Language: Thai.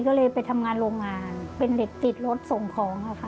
ก็เลยไปทำงานโรงงานเป็นเด็กติดรถส่งของค่ะ